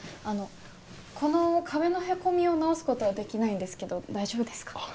あのこの壁のへこみを直すことはできないんですけど大丈夫ですか？